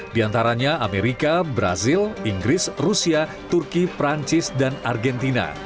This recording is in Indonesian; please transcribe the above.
di antaranya amerika brazil inggris rusia turki perancis dan argentina